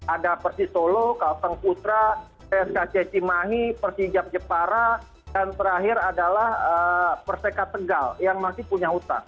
ada persis solo kalteng putra psk cecimahi persijab jepara dan terakhir adalah perseka tegal yang masih punya utang